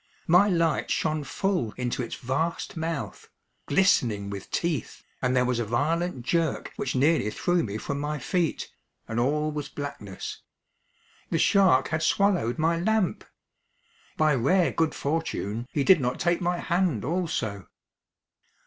My light shone full into its vast mouth, glistening with teeth, and there was a violent jerk which nearly threw me from my feet, and all was blackness. The shark had swallowed my lamp! By rare good fortune, he did not take my hand also.